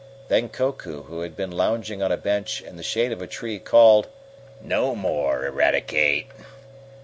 Then Koku, who had been lounging on a bench in the shade of a tree, Called: "No more, Eradicate!"